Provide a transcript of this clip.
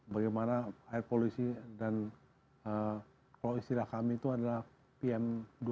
bagaimana air polisi dan kalau istilah kami itu adalah pm dua ribu